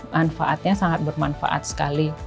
manfaatnya sangat bermanfaat sekali